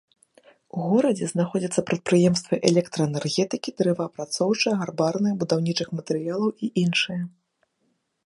У горадзе знаходзяцца прадпрыемствы электраэнергетыкі, дрэваапрацоўчыя, гарбарныя, будаўнічых матэрыялаў і іншыя.